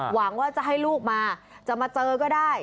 หวังว่าจะให้ลูกมาจะมาเจอก็ได้